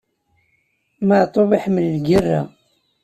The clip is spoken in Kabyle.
Maɛṭub iḥemmel lgerra.